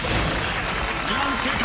［２問正解。